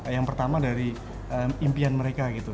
yang pertama dari impian mereka gitu